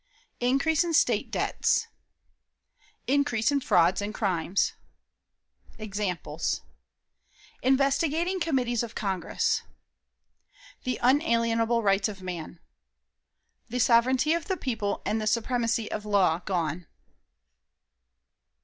Increase in State Debts. Increase in Frauds and Crimes. Examples. Investigating Committees of Congress. The Unalienable Rights of Man. The Sovereignty of the People and the Supremacy of Law gone.